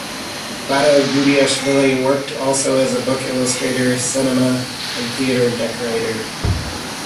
Lado Gudiashvili worked also as a book illustrator, cinema and theater decorator.